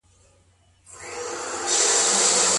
مادي ګټي څنګه تضمین کېدای سي؟